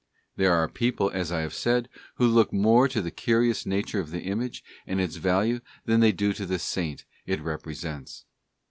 There are people, as I have said, who look more to the curious nature of the image and its value than they do to the Saint it represents.